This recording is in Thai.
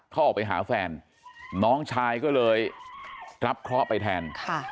เขาออกไปหาแฟนน้องชายก็เลยรับเคราะห์ไปแทน